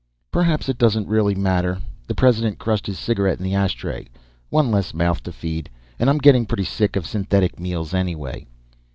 "Perhaps. It doesn't really matter." The President crushed his cigarette in the ashtray. "One less mouth to feed. And I'm getting pretty sick of synthetic meals, anyway."